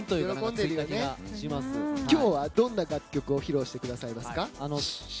今日はどんな楽曲を披露してくださいますか？